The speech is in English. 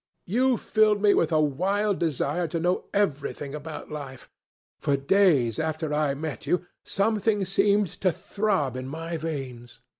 You filled me with a wild desire to know everything about life. For days after I met you, something seemed to throb in my veins.